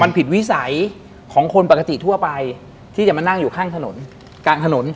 มันผิดวิสัยของคนปกติทั่วไปที่จะมานั่งอยู่ข้างถนนกลางถนน